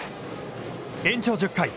延長１０回。